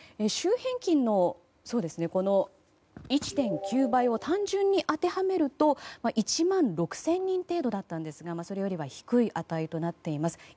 週平均の１．９倍を単純に当てはめると１万６０００人程度ですがそれより低い値となっています。